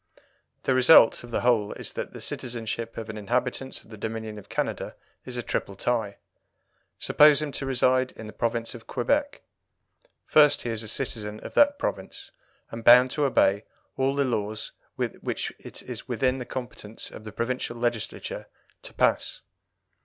The result of the whole is that the citizenship of an inhabitant of the Dominion of Canada is a triple tie. Suppose him to reside in the province of Quebec. First, he is a citizen of that province, and bound to obey all the laws which it is within the competence of the provincial Legislature to pass.